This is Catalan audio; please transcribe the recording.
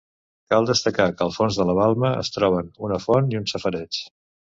Cal destacar que al fons de la balma es troben una font i un safareig.